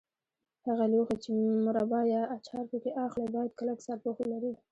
هغه لوښي چې مربا یا اچار پکې اخلئ باید کلک سرپوښ ولري.